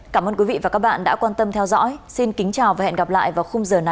cảm ơn quý vị và các bạn đã quan tâm theo dõi xin kính chào và hẹn gặp lại vào khung giờ năm sau